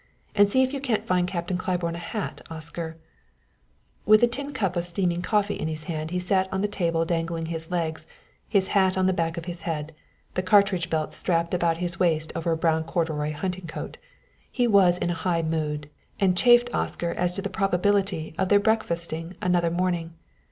And see if you can't find Captain Claiborne a hat, Oscar " With a tin cup of steaming coffee in his hand he sat on the table dangling his legs, his hat on the back of his head, the cartridge belt strapped about his waist over a brown corduroy hunting coat. He was in a high mood, and chaffed Oscar as to the probability of their breakfasting another morning.